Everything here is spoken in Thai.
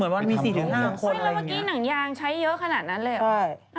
เฮ้ยแล้วเมื่อกี้หนังยางใช้เยอะขนาดนั้นเลย